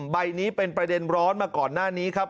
ใบนี้เป็นประเด็นร้อนมาก่อนหน้านี้ครับ